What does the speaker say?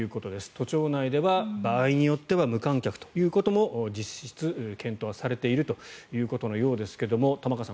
都庁内では場合によっては無観客ということも実質検討はされているということのようですけども玉川さん